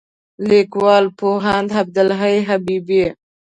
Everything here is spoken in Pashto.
لیکوال: پوهاند عبدالحی حبیبي